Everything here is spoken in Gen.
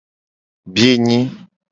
Biye nyi.